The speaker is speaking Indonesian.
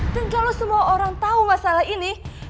dan kalau semua orang tau masalah ini